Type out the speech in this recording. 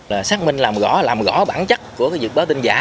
là xác minh làm rõ làm rõ bản chất của cái việc báo tin giả